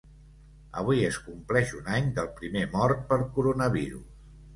Avui es compleix un any del primer mort per coronavirus.